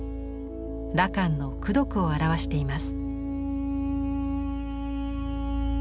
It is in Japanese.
羅漢の功徳を表しています。